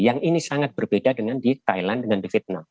yang ini sangat berbeda dengan di thailand dengan di vietnam